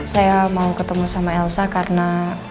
saya mau ketemu sama elsa karena